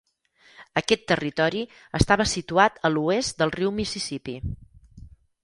Aquest territori estava situat a l'oest del riu Mississipí.